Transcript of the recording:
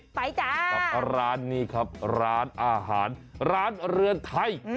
ไปจ้ากับร้านนี้ครับร้านอาหารร้านเรือนไทย